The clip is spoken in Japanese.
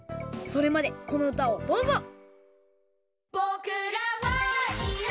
それまでこのうたをどうぞ！